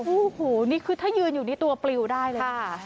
โอ้โหนี่คือถ้ายืนอยู่นี่ตัวปลิวได้เลยค่ะ